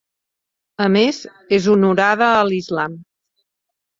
A més, és honorada a l'Islam.